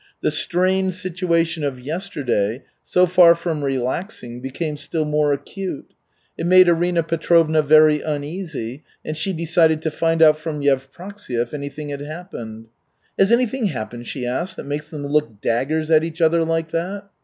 The strained situation of yesterday, so far from relaxing, became still more acute. It made Arina Petrovna very uneasy, and she decided to find out from Yevpraksia if anything had happened. "Has anything happened," she asked, "that makes them look daggers at each other like that?"